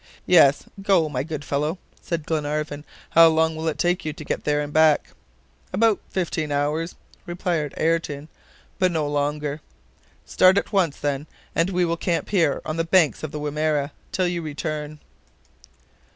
"Yes, go, my good fellow," said Glenarvan. "How long will it take you to get there and back?" "About fifteen hours," replied Ayrton, "but not longer." "Start at once, then, and we will camp here, on the banks of the Wimerra, till you return."